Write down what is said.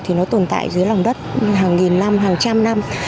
thì nó tồn tại dưới lòng đất hàng nghìn năm hàng trăm năm